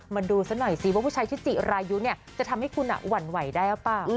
มาดูซะหน่อยสิว่าผู้ชายชิจิรายุเนี่ยจะทำให้คุณหวั่นไหวได้หรือเปล่า